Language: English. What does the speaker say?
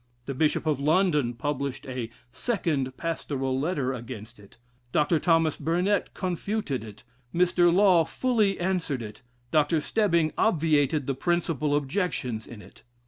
The Bishop of London published a "Second Pastoral Letter" against it; Dr. Thomas Burnet "confuted" it; Mr. Law "fully" answered it; Dr. Stebbing "obviated the principal objections" in it.